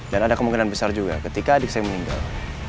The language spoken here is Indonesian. dan ada kemungkinan besar juga ketika adik saya meninggal